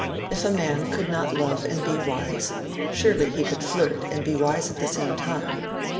If a man could not love and be wise, surely he could flirt and be wise at the same time?